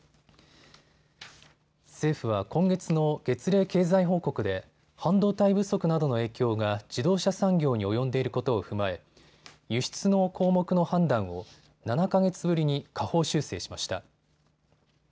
政府は今月の月例経済報告で半導体不足などの影響が自動車産業に及んでいることを踏まえ輸出の項目の判断を７か月ぶりに下方修正しました。